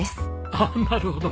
ああなるほど。